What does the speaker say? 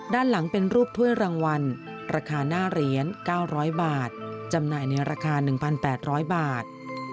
ด้านหลังเป็นรูปถ้วยรางวัลราคาหน้าเหรียญ๙๐๐บาทจำหน่ายในราคา๑๘๐๐บาท